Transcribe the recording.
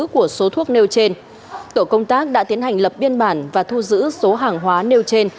của số thuốc nêu trên tổ công tác đã tiến hành lập biên bản và thu giữ số hàng hóa nêu trên